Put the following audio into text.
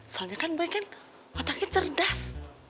soalnya kan boy kan otaknya cerdas